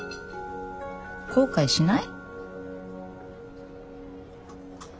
後悔しない？